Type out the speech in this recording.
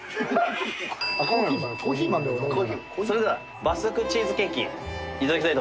それではバスクチーズケーキ頂きたいと思います。